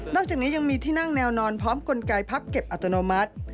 จากนี้ยังมีที่นั่งแนวนอนพร้อมกลไกพับเก็บอัตโนมัติ